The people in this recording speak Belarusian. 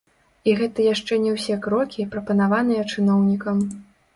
І гэта яшчэ не ўсе крокі, прапанаваныя чыноўнікам.